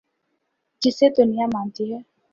جسے دنیا مانتی ہے۔